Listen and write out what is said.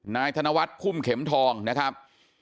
ธนวัฒน์พุ่มเข็มทองนะครับ